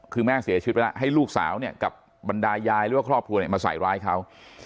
คือแม่เสียชีวิตไปแล้วให้ลูกสาวเนี่ยกับบรรดายายหรือว่าครอบครัวเนี่ยมาใส่ร้ายเขา